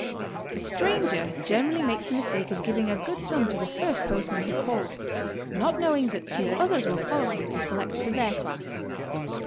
A stranger generally makes the mistake of giving a good sum to the first postman w'ho calls, not knowing that two others will follow him to collect for their class.